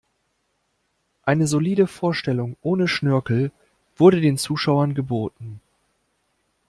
Eine solide Vorstellung ohne Schnörkel wurde den Zuschauern geboten.